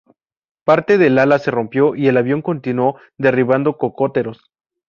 Parte del ala se rompió y el avión continuó derribando cocoteros.